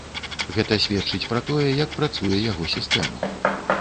Гэта сведчыць пра тое, як працуе яго сістэма.